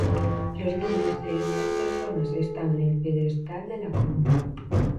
Los nombres de estas personas están en el pedestal de la columna.